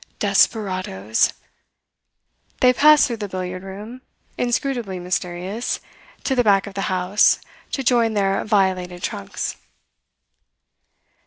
Desperadoes! They passed through the billiard room, inscrutably mysterious, to the back of the house, to join their violated trunks.